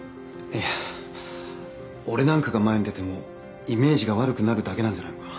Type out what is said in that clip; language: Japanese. いや俺なんかが前に出てもイメージが悪くなるだけなんじゃないのかな。